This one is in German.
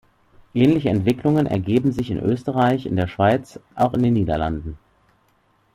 Ähnliche Entwicklungen ergeben sich in Österreich, in der Schweiz, auch in den Niederlanden.